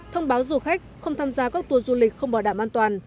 thông báo du khách không tham gia các tour du lịch không bảo đảm an toàn